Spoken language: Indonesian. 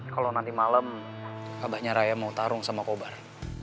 kalau nanti malam kabarnya raya mau tarung sama kobar